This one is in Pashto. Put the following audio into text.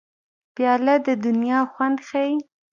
پیاله د دنیا خوند ښيي.